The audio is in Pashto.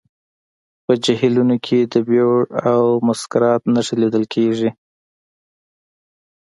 په جهیلونو کې د بیور او مسکرات نښې لیدل کیږي